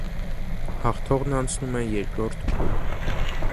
Հաղթողն անցնում է երկրորդ փուլ։